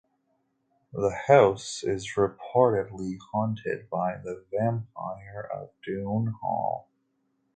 The house is reportedly haunted by the "vampire of Doone Hall".